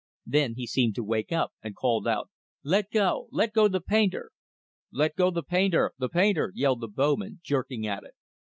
Then he seemed to wake up, and called out "Let go let go the painter!" "Let go the painter the painter!" yelled the bowman, jerking at it.